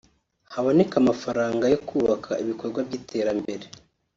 haboneke amafaranga yo kubaka ibikorwa by’iterambere